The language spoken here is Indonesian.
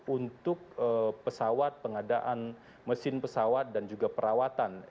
untuk pesawat pengadaan mesin pesawat dan juga perawatan